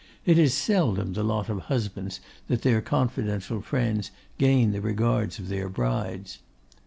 It is seldom the lot of husbands that their confidential friends gain the regards of their brides.